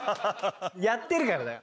やってるからだよ。